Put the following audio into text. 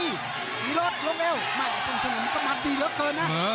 ตีโลดลงเอว๋อไม่เป็นเสนอมูลของธัยดีเหลือเกินนะ